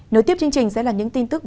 nối tiếp chương trình sẽ là những tin tức